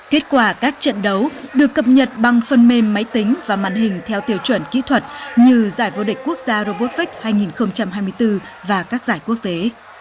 kết quả các trận đấu được cập nhật bằng phần mềm máy tính và màn hình theo tiêu chuẩn kỹ thuật như giải vô địch quốc gia robotvec hai nghìn hai mươi bốn và các giải quốc tế